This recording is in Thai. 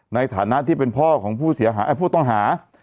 ในฐานะที่เป็นพ่อของผู้เสียหา